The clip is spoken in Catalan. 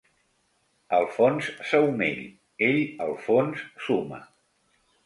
"Alfons Saumell: Ell, al fons, suma".